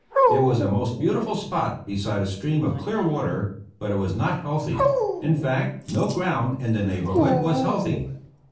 It was a most beautiful spot beside a stream of clear water, but it was not healthy. In fact no ground in the neighborhood was healthy.